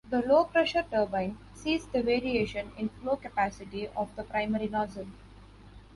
The low pressure turbine 'sees' the variation in flow capacity of the primary nozzle.